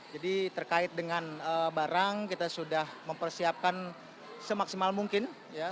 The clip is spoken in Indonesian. barang barang kita sudah mempersiapkan semaksimal mungkin